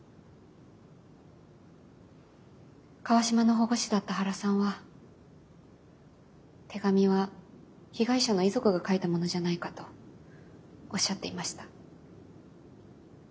川島の保護司だった原さんは手紙は被害者の遺族が書いたものじゃないかとおっしゃっていました。